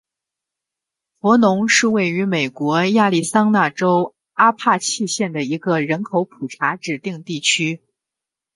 弗农是位于美国亚利桑那州阿帕契县的一个人口普查指定地区。